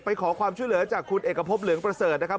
ขอความช่วยเหลือจากคุณเอกพบเหลืองประเสริฐนะครับ